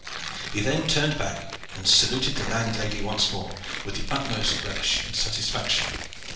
He then turned back and saluted the landlady once more with the utmost relish and satisfaction.